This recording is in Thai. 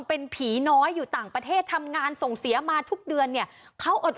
เป็นผีน้อยอยู่ต่างประเทศทำงานส่งเสียมาทุกเดือนเนี่ยเขาอด